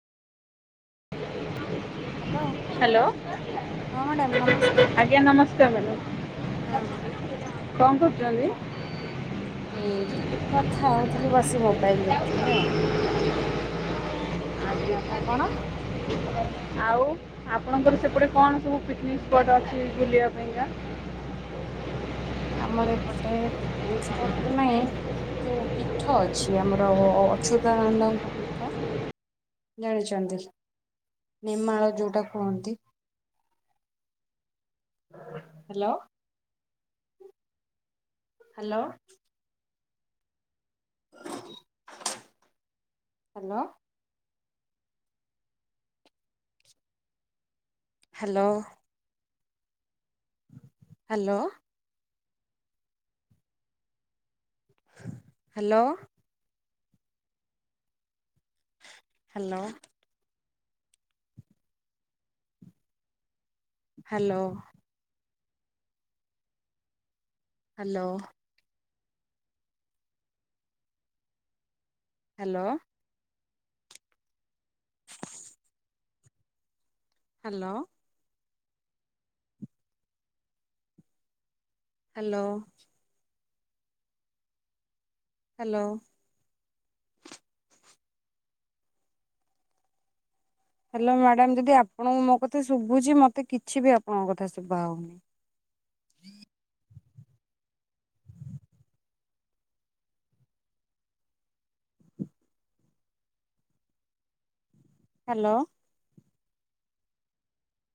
Hello. Hello. ଆଜ୍ଞା। ନମସ୍କାର୍ madam. ହଁ କଣ କରୁଚନ୍ତି? ମୁଁ ଏଇଠି। କଥା ହୋଉଥିଲି। ବସିକି ମୋବାଇଲ୍ ଦେଖୁଥିଲି ଆଉ। ଆଜ୍ଞା। ଆପଣ? ଆଉ ଆପଣଙ୍କର ସେପଟେ କଣ ସବୁ ପିକିନିକ୍ ସ୍ପଟ୍ ଅଛି? ବୁଲିବା ପାଇଁ କା? ଆମର ଏପଟେ ପିକିନିକ୍ ସ୍ପଟ୍ ତ ନାହିଁ। କିନ୍ତୁ, ଯୋଉ ପୀଠ ଅଛି। ଆମର ଅ ଅ ଅଚ୍ୟୁତାନନ୍ଦଙ୍କ ପୀଠ ଜାଣିଛନ୍ତି? ନେମାଳ ଯୋଉଟା କୁହନ୍ତି। Hello. Hello. Hello. Hello. Hello. Hello. Hello. Hello. Hello. Hello. Hello. Hello. Hello. Hello madam. ଯଦି ଆପଣଙ୍କୁ ମୋ କଥା ଶୁଭୁଛି, ମତେ କିଛି ବି ଆପଣଙ୍କ କଥା ଶୁଭା ହୋଉନି। ହ୍ୟାଲୋ।